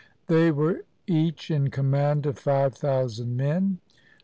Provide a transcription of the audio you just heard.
They were each in command of five thousand men.